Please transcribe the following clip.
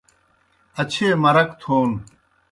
اچھیئے مرک تھون